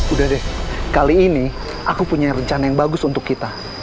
udah deh kali ini aku punya rencana yang bagus untuk kita